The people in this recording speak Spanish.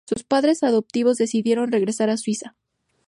Sus padres adoptivos decidieron regresar a Suiza.